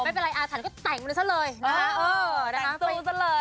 ไม่เป็นไรอาร์ถันก็แต่งมือนั้นซะเลยมาเออแต่งซูซะเลย